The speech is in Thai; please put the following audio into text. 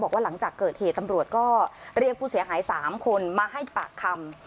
บอกว่าหลังจากเกิดเหตุตำรวจก็เรียกผู้เสียหาย๓คนมาให้ปากคำ